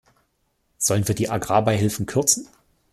Sollen wir die Agrarbeihilfen kürzen?